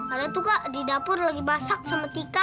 ada tuh kak di dapur lagi basak sama tika